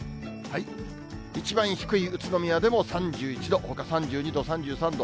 一番低い宇都宮でも３１度、ほか３２度、３３度。